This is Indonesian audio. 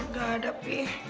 nggak ada pi